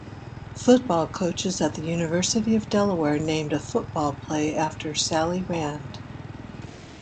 Football coaches at the University of Delaware named a football play after Sally Rand.